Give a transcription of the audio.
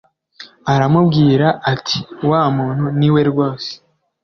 aramubwira ati wa muntu niwe rwose